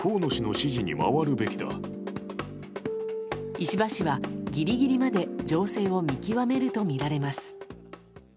石破氏はギリギリまで情勢を見極めるとみられます。